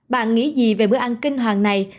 bạn nghĩ gì về bữa ăn kinh hoàng này